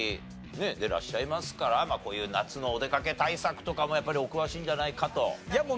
でらっしゃいますからこういう夏のお出かけ対策とかもやっぱりお詳しいんじゃないかと。